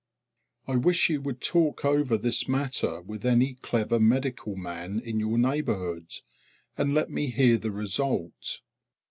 I wish you would talk over this matter with any clever medical man in your neighborhood, and let me hear the result.